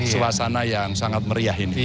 suasana yang sangat meriah ini